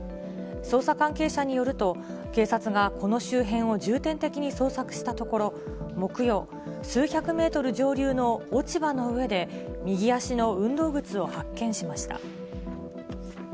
捜査関係者によると、警察がこの周辺を重点的に捜索したところ、木曜、数百メートル上流の落ち葉の上で、右足の運動靴を発見しました。